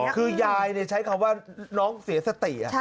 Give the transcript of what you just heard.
คือยายใช้คำว่าน้องเสียสติ